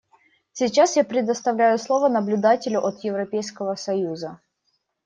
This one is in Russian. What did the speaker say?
Сейчас я предоставляю слово наблюдателю от Европейского Союза.